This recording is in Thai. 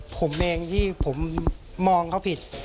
ผมเองที่ผมมองเขาผิด